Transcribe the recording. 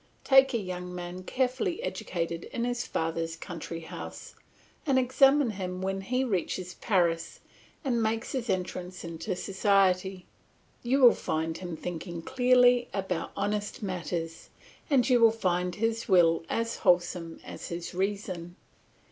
Take a young man carefully educated in his father's country house, and examine him when he reaches Paris and makes his entrance into society; you will find him thinking clearly about honest matters, and you will find his will as wholesome as his reason.